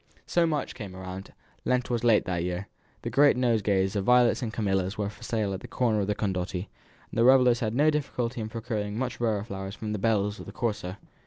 So March came round; Lent was late that year. The great nosegays of violets and camellias were for sale at the corner of the Condotti, and the revellers had no difficulty in procuring much rarer flowers for the belles of the Corso.